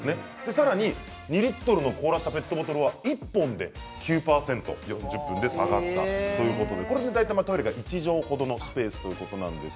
さらに２リットルの凍らせたペットボトル１本で９％４０分で下がったということでトイレが１畳程のスペースということです。